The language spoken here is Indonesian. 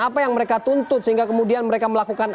apa yang mereka tuntut sehingga kemudian mereka melakukan